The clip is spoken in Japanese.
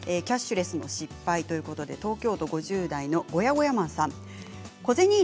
キャッシュレスの失敗ということで東京都５０代の方からです。